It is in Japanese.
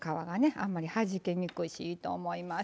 あんまりはじけにくいしいいと思います。